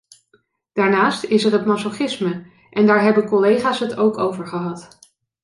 Daarnaast is er het masochisme en daar hebben collega's het ook over gehad.